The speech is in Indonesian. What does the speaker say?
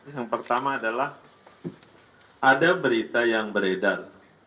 yang pertama adalah ada berita yang beredar